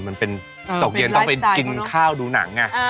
มันเป็นตกเย็นต้องไปกินข้าวดูหนัง